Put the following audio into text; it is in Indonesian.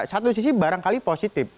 satu sisi barangkali positif